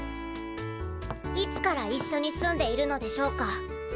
いつから一緒に住んでいるのでしょうか？